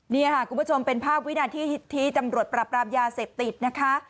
นี่ค่ะคุณผู้ชมเป็นภาพวินาทีที่ตำรวจปรับรามยาเสพติดนะคะ